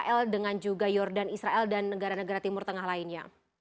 israel dengan juga jordan israel dan negara negara timur tengah lainnya